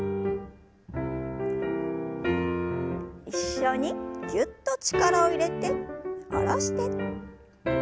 一緒にぎゅっと力を入れて下ろして。